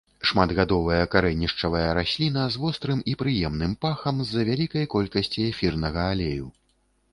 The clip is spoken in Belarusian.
Шматгадовая карэнішчавая расліна з вострым і прыемным пахам з-за вялікай колькасці эфірнага алею.